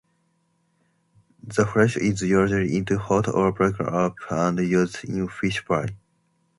The flesh is usually eaten hot, or broken up and used in fish pie.